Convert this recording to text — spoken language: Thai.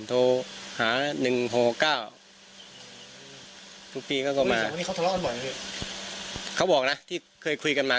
โทรหาหนึ่งหกเก้าทุกปีเขาก็มาเขาบอกนะที่เคยคุยกันมา